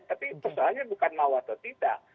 tapi persoalannya bukan mau atau tidak